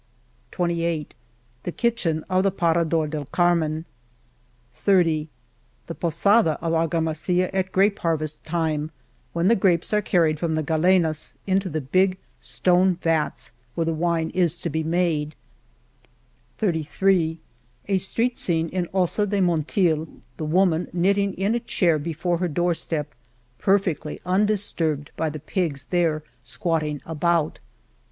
27 The kitchen of the Parador del Carmen, . .28 The posada of Argamasilla at grape harvest time, when the grapes are carried from the "galenas " into the big stone vats where the wine is to be made, jo A street scene in Osa de Monteil, the woman knitting in a chair before her door step, perfectly undisturbed by the pigs there squatting about